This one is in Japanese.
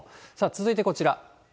続いてこちら。